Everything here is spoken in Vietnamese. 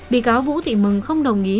bị cáo vũ thị mừng không đồng ý